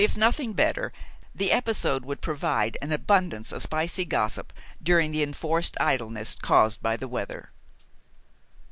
If nothing better, the episode would provide an abundance of spicy gossip during the enforced idleness caused by the weather.